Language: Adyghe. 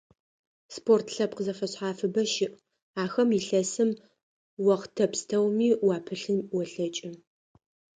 Спорт лъэпкъ зэфэшъхьафыбэ щыӀ, ахэм илъэсым иохътэ пстэуми уапылъын олъэкӀы.